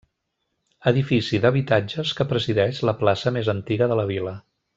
Edifici d'habitatges que presideix la plaça més antiga de la vila.